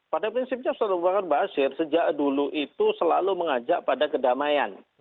pada prinsipnya ustadz abu bakar basir sejak dulu itu selalu mengajak pada kedamaian